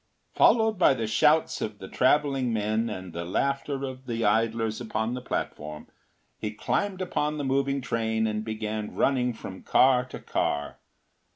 ” Followed by the shouts of the travelling men and the laughter of the idlers upon the platform he climbed upon the moving train and began running from car to car.